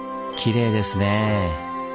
きれいですねぇ。